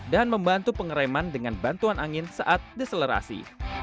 dan membantu pengereman dengan bantuan angin saat deselerasi